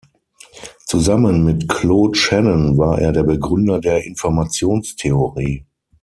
Zusammen mit Claude Shannon war er der Begründer der Informationstheorie.